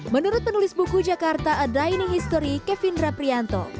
menurut penulis buku jakarta a dining history kevin raprianto